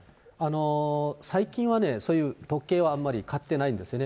最近はね、そういう時計はあまり買ってないんですよね。